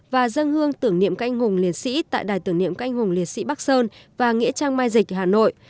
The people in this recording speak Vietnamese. và dân hương tưởng niệm các anh hùng liên sĩ tại đài tưởng niệm các anh hùng liên sĩ bắc sơn và nghĩa trang mai dịch hà nội